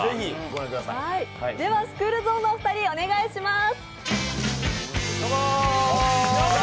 スクールゾーンのお二人、お願いします。